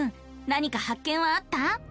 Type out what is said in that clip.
なにか発見はあった？